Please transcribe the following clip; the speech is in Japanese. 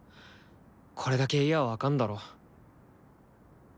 これだけ言や分かんだろ？